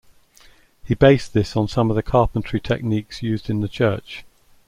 He based this on some of the carpentry techniques used in the church.